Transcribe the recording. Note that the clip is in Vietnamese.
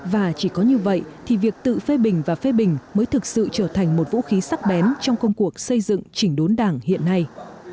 và chỉ có như vậy thì việc tự phê bình và phê bình mới thực sự trở thành một vũ khí sắc bén trong công cuộc xây dựng chỉnh đốn đảng hiện nay